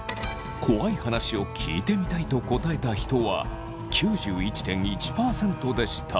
怖い話を聞いてみたいと答えた人は９１．１％でした。